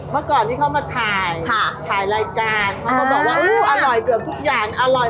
เมื่อก่อนที่เขามาถ่ายถ่ายรายการเขาก็บอกว่าอร่อยเกือบทุกอย่างอร่อย